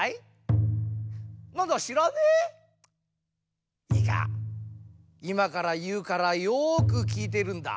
なんだしらねえ？いいかいまからいうからよくきいてるんだ。